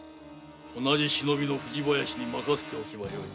同じ忍びの藤林に任せておけばよい。